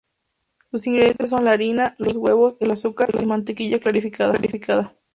Sus ingredientes son la harina, los huevos, el azúcar y mantequilla clarificada.